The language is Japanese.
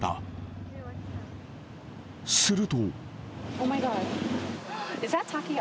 ［すると］